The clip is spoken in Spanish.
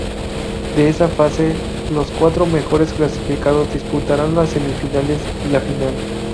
De esa fase, los cuatro mejores clasificados disputarán las semifinales y la final.